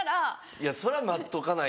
いやそら待っとかないと。